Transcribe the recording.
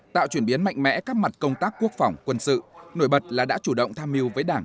tạo chuyển biến mạnh mẽ các mặt công tác quốc phòng quân sự nổi bật là đã chủ động tham mưu với đảng